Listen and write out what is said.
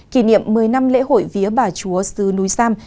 kỷ niệm một mươi năm lễ hội vía bà chúa sứ núi sam